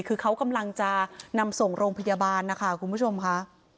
คือเขากำลังจะนำส่งโรงพยาบาลนะคะคุณผู้ชมค่ะ